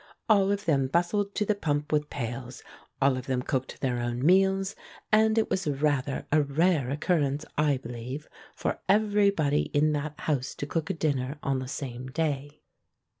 All of them bustled to the pump with pails, all of them cooked their own meals; and it was rather a rare occurrence, I believe, for everybody in that house to cook a dinner on the same day.